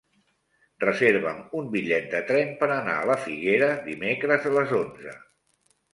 Reserva'm un bitllet de tren per anar a la Figuera dimecres a les onze.